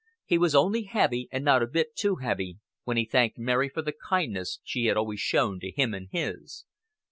He was only heavy and not a bit too heavy when he thanked Mary for the kindness she had always shown to him and his.